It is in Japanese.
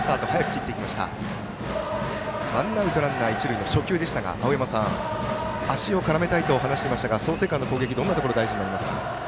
ワンアウト、ランナー一塁の初球でしたが青山さん足を絡めたいと話していましたが創成館の攻撃どんなところが大事になりますか。